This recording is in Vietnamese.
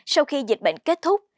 sau khi dịch bệnh kết thúc